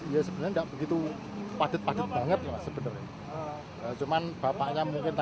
ya sebenarnya enggak begitu padat padat banget ya sebenarnya cuman bapaknya mungkin